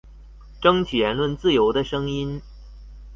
爭取言論自由的聲音